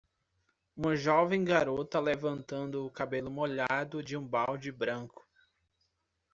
uma jovem garota levantando o cabelo molhado de um balde branco